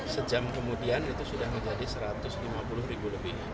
sejam kemudian itu sudah menjadi satu ratus lima puluh ribu lebih